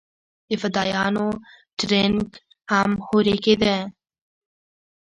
د فدايانو ټرېننگ هم هورې کېده.